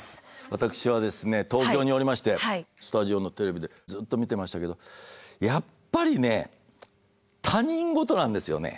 私は東京におりましてスタジオのテレビでずっと見てましたけどやっぱりね他人事なんですよね。